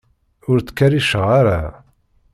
Ur ttkerriceɣ ara.